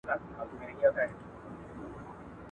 که چا فساد نه وای کړی نو نه به وژل کیده.